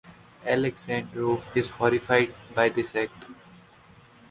Alessandro is horrified by this act.